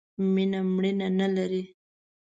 مینه مړینه نه لرئ